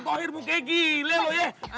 kau akhirnya ke gile loh ya